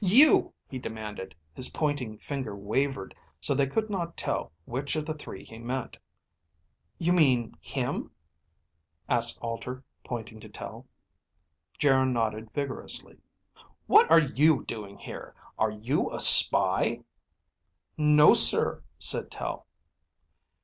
"You!" he demanded. His pointing finger wavered so they could not tell which of the three he meant. "You mean him?" asked Alter, pointing to Tel. Geryn nodded vigorously. "What are you doing here? Are you a spy?" "No, sir," said Tel.